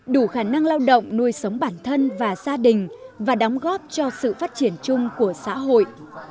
đủ khả năng lao động nuôi sống bản thân và gia đình và đóng góp cho sự phát triển chung của xã hội